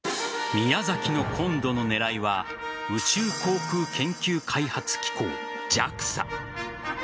宮崎の今度の狙いは宇宙航空研究開発機構＝ＪＡＸＡ。